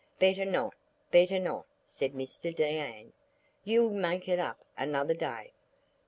"Better not, better not," said Mr Deane. "You'll make it up another day."